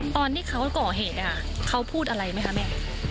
ตอนที่เขาก่อเหตุเขาพูดอะไรไหมคะแม่